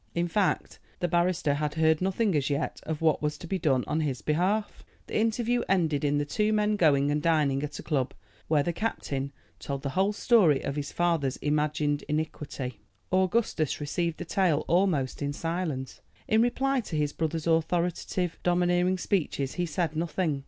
In fact, the barrister had heard nothing as yet of what was to be done on his behalf. The interview ended in the two men going and dining at a club, where the captain told the whole story of his father's imagined iniquity. Augustus received the tale almost in silence. In reply to his brother's authoritative, domineering speeches he said nothing.